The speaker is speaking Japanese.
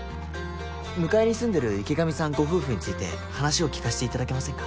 向かいに住んでる池上さんご夫婦について話を聞かせていただけませんか。